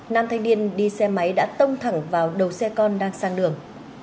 nam thanh niên đi xe máy đã tông thẳng vào đầu xe con đang sang đường